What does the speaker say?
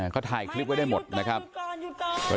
เขาถ่ายคลิปไว้ได้หมดนะครับ